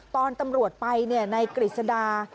ตอนตำรวจไปเนี่ยในกฤษฎา